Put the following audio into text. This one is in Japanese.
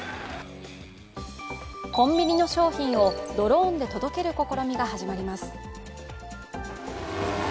コンビニの商品をドローンで届ける試みが始まります。